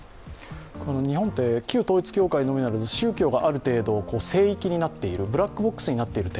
日本って、旧統一教会のみならず宗教がある程度、聖域になっている、ブラックボックスになっている点